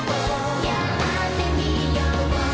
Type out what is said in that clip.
「やってみよう」